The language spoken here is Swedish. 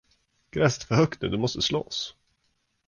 Gräset är för högt nu, det måste slås.